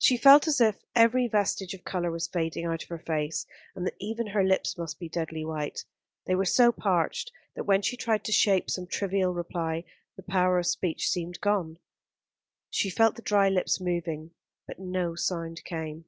She felt as if every vestige of colour was fading out of her face, and that even her lips must be deadly white. They were so parched that when she tried to shape some trivial reply the power of speech seemed gone. She felt the dry lips moving; but no sound came.